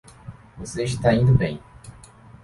Você está indo bem